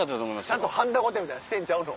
ちゃんとはんだごてみたいなのしてんちゃうの？